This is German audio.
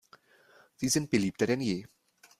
Sie sind beliebter denn je.